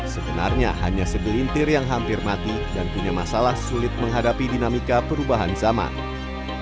sebenarnya hanya segelintir yang hampir mati dan punya masalah sulit menghadapi dinamika perubahan zaman